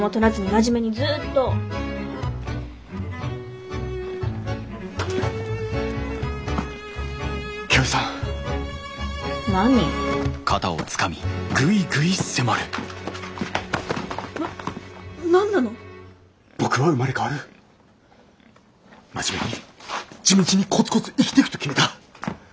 真面目に地道にコツコツ生きてくと決めた。